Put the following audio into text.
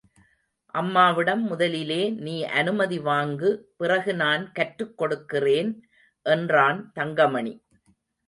அம்மாவிடம் முதலிலே நீ அனுமதி வாங்கு பிறகு நான் கற்றுக் கொடுக்கிறேன் என்றான் தங்கமணி.